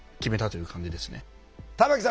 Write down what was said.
玉木さん